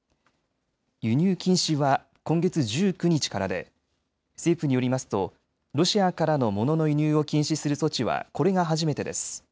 輸入禁止は今月１９日からで政府によりますとロシアからのモノの輸入を禁止する措置はこれが初めてです。